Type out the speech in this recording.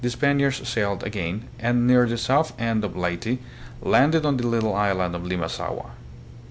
79 Spaniards sailed again, and near the south end of Leyte landed on the little island of Limasaua.